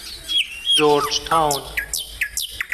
جورج تاون